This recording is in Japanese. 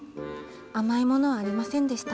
甘い物はありませんでした。